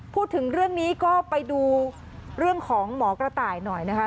พูดถึงเรื่องนี้ก็ไปดูเรื่องของหมอกระต่ายหน่อยนะคะ